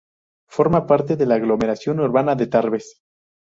Forma parte de la aglomeración urbana de Tarbes.